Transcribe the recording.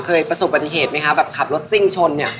เคยประสบปฏิเหตุไหมขับรถสิ้งชน